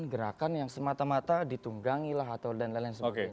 gerakan yang semata mata ditunggangi lah atau dan lain lain sebagainya